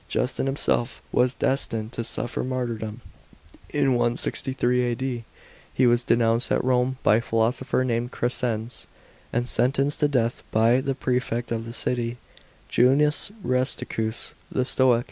Justin himself was destined to suffer martyrdom. In 163 A.D., he was denounced at Rome by a philosopher named Crescens, and sen tenced to death by the prefect of the city, Q. Junius Rusticus, the Stoic.